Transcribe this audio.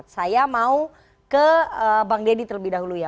saya mau ke bang deddy terlebih dahulu ya